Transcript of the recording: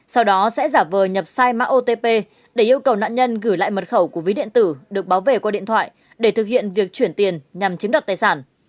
sau đó sẽ giả vờ nhập sai mã otp để yêu cầu nạn nhân gửi lại mật khẩu của ví điện tử được báo về qua điện thoại để thực hiện việc chuyển tiền nhằm chiếm đặt tài sản